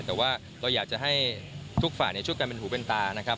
แต่ว่าเราอยากจะให้ทุกฝ่ายช่วยกันเป็นหูเป็นตานะครับ